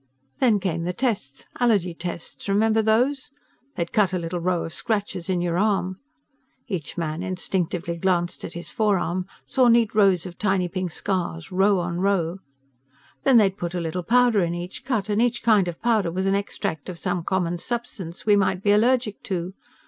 "Then came the tests, allergy tests. Remember those? They'd cut a little row of scratches in your arm ..." Each man instinctively glanced at his forearm, saw neat rows of tiny pink scars, row on row. "Then they'd put a little powder in each cut and each kind of powder was an extract of some common substance we might be allergic to.